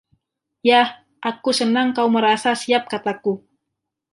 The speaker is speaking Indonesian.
"Yah, aku senang kau merasa siap," kataku.